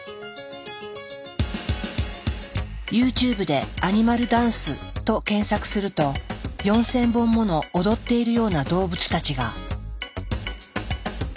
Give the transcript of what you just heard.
ＹｏｕＴｕｂｅでアニマルダンスと検索すると４，０００本もの踊っているような動物たちが。